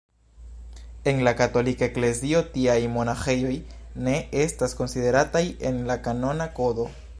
En la Katolika Eklezio tiaj monaĥejoj ne estas konsiderataj en la Kanona Kodo.